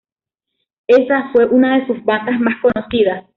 Esa fue una de sus bandas más conocidas.